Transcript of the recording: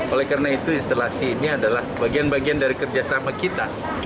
oleh karena itu instalasi ini adalah bagian bagian dari kerjasama kita